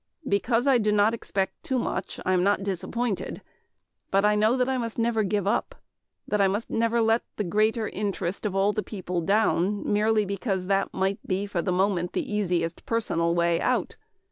Because I do not expect too much, I am not disappointed. But I know that I must never give up that I must never let the greater interest of all the people down, merely because that might be for the moment the easiest personal way out.